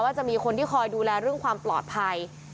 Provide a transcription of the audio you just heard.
จะมีคนที่คอยดูแลเรื่องความปลอดภัย